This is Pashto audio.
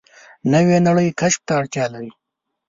نوې نړۍ کشف ته اړتیا لري